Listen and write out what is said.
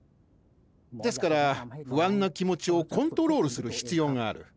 ですからふあんな気もちをコントロールするひつようがある。